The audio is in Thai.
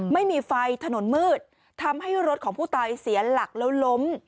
ไม่มีไฟถนนมืดทำให้รถของผู้ตายเสียหลักแล้วล้ม